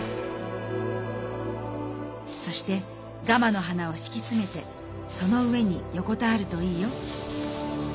「そしてガマの花をしきつめてその上によこたわるといいよ。